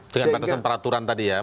dengan peraturan tadi ya